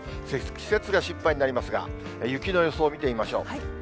積雪が心配になりますが、雪の予想を見てみましょう。